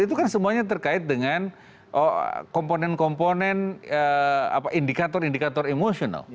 itu kan semuanya terkait dengan komponen komponen indikator indikator emosional